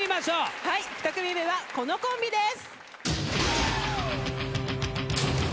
２組目はこのコンビです。